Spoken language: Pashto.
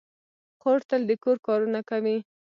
خور تل د کور کارونه کوي.